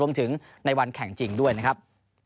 ในวันแข่งจริงด้วยนะครับ